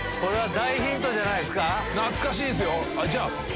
懐かしいですよ。